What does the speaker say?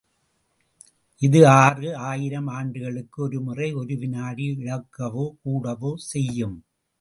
இது ஆறு ஆயிரம் ஆண்டுகளுக்கு ஒரு முறை ஒரு வினாடி இழக்கவோ கூடவோ செய்யும்.